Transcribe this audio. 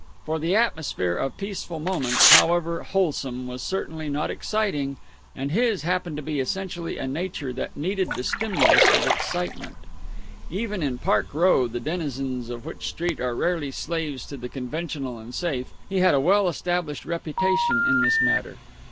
For the atmosphere of Peaceful Moments, however wholesome, was certainly not exciting, and his happened to be essentially a nature that needed the stimulus of excitement. Even in Park Row, the denizens of which street are rarely slaves to the conventional and safe, he had a well established reputation in this matter.